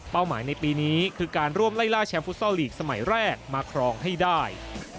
หมายในปีนี้คือการร่วมไล่ล่าแชมป์ฟุตซอลลีกสมัยแรกมาครองให้ได้